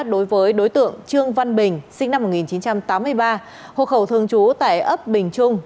đối với đối tượng trương văn bình sinh năm một nghìn chín trăm tám mươi ba hộ khẩu thường trú tại ấp bình trung